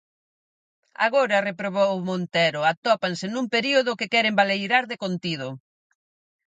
Agora, reprobou Montero, atópanse "nun período que queren baleirar de contido".